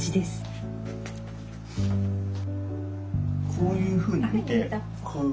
こういうふうに見てこう。